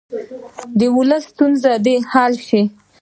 د ولس ستونزې دې حل شي.